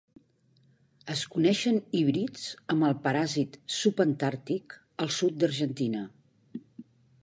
Es coneixen híbrids amb el paràsit subantàrtic al sud d'Argentina.